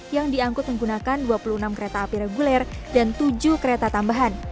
yang diangkut menggunakan dua puluh enam kereta api reguler dan tujuh kereta tambahan